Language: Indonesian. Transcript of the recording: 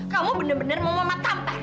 kamu benar benar mau mama tampar